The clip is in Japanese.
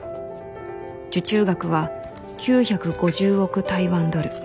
受注額は９５０億台湾ドル。